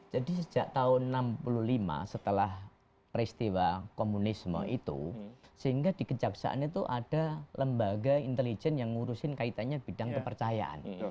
jadi sejak tahun seribu sembilan ratus enam puluh lima setelah peristiwa komunisme itu sehingga di kejaksaan itu ada lembaga intelijen yang ngurusin kaitannya bidang kepercayaan